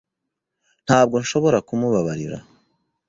Ntabwo nshobora kumubabarira.